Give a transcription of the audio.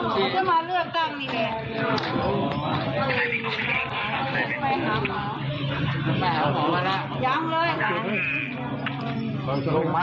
จะมาเลือกตั้งนี่แหละ